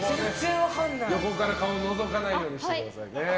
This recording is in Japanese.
横から顔をのぞかないようにしてくださいね。